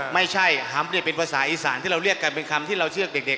ไม่ใช่ฮัมเป็นภาษาอีสานที่เราเรียกกันเป็นคำที่เราเชือกเด็ก